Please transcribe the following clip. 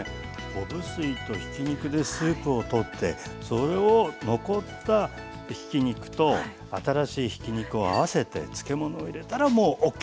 昆布水とひき肉でスープをとってそれを残ったひき肉と新しいひき肉を合わせて漬け物を入れたらもうＯＫ！